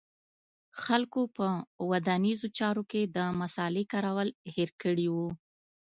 خلکو په ودانیزو چارو کې د مصالې کارول هېر کړي و